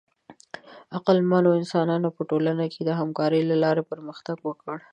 عقلمنو انسانانو په ټولنه کې د همکارۍ له لارې پرمختګ وکړ.